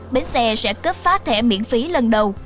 bến xe sẽ cấp phát thẻ miễn phí lần đầu